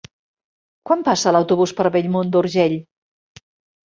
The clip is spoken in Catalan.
Quan passa l'autobús per Bellmunt d'Urgell?